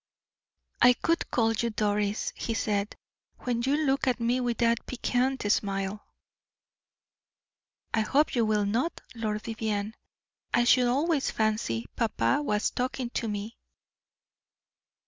"I could call you Doris," he said, "when you look at me with that piquant smile." "I hope you will not, Lord Vivianne. I should always fancy papa was talking to me."